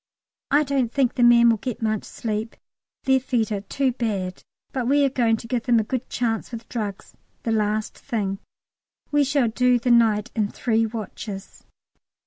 I don't think the men will get much sleep, their feet are too bad, but we are going to give them a good chance with drugs, the last thing. We shall do the night in three watches.